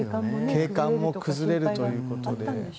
景観も崩れるということで。